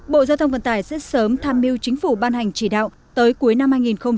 bộ giao thông vận tải rất sớm tham mưu chính phủ ban hành chỉ đạo tới cuối năm hai nghìn một mươi chín